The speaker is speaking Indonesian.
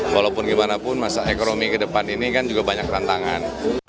walaupun gimana pun masa ekonomi ke depan ini kan juga banyak tantangan